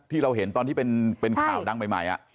ที่เราเห็นตอนที่เป็นข่าวดังใหม่